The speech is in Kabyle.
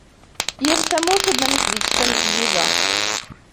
Yal tamurt ad naf deg-s tamezgida.